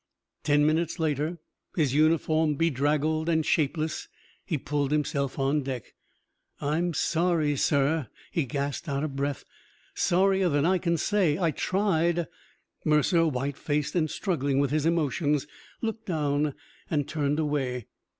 Ten minutes later, his uniform bedraggled and shapeless, he pulled himself on deck. "I'm sorry, sir," he gasped, out of breath. "Sorrier than I can say. I tried " Mercer, white faced and struggling with his emotions, looked down and turned away.